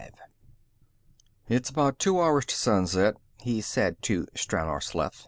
"It's about two hours to sunset," he said, to Stranor Sleth.